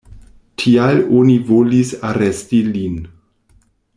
Tial oni volis aresti lin.